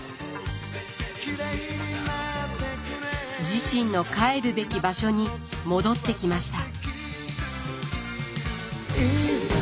自身の帰るべき場所に戻ってきました。